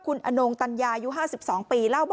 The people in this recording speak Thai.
กลุ่มตัวเชียงใหม่